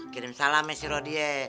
kirim salam ya si rodie